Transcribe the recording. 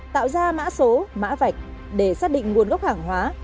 tạo ra mã số mã vạch để xác định nguồn gốc hàng hóa